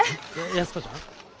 安子ちゃん？